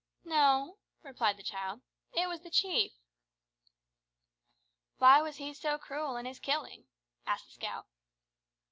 "No," replied the child, "it was the chief." "Why was he so cruel in his killing?" asked the scout.